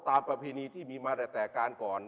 ตามประพินีที่มีมาได้แตกกันก่อน